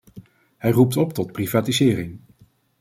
Hij roept op tot privatisering.